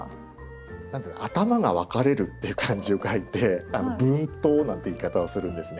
「頭が分かれる」っていう漢字を書いて「分頭」なんて言い方をするんですね。